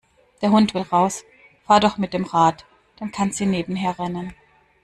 Der Hund will raus. Fahr doch mit dem Rad, dann kann sie nebenher rennen.